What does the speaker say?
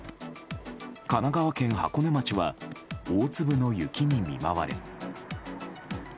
神奈川県箱根町は大粒の雪に見舞われ。